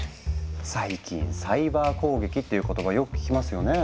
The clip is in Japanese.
最近サイバー攻撃っていう言葉よく聞きますよね？